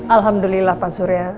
alhamdulillah pak surya